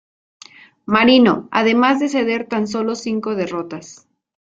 Marino", además de ceder tan solo cinco derrotas.